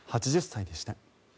８０歳でした。